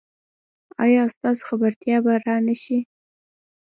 ایا ستاسو خبرتیا به را نه ځي؟